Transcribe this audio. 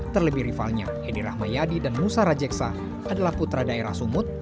terlebih rivalnya edi rahmayadi dan musa rajeksa adalah putra daerah sumut